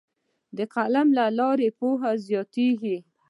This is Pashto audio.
د قلم له لارې پوهه زیاتیږي.